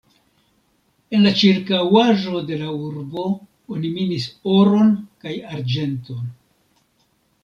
En la ĉirkaŭaĵo de la urbo oni minis oron kaj arĝenton.